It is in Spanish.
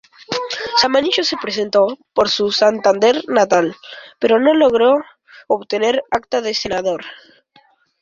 Zamanillo se presentó por su Santander natal, pero no logró obtener acta de senador.